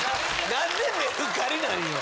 なんでメルカリなんよ